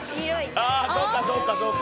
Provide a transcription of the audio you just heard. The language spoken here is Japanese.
ああそうかそうか。